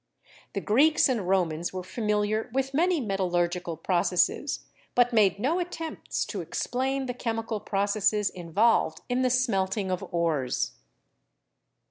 The Greeks and Romans were familiar with many metallurgical processes, but made no attempts to explain the chemical processes involved in the smelting of ores.